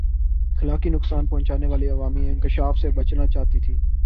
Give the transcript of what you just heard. اخلاقی نقصان پہچانے والے عوامی انکشاف سے بچنا چاہتی تھِی